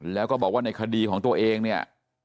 แล้วก็บอกว่าในคดีของตัวเองเนี่ย